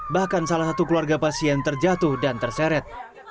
bahkan salah satu keluarga pasien terjatuh dan terseret